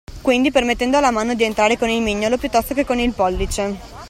Quindi permettendo alla mano di entrare con il migliolo piuttosto che con il pollice.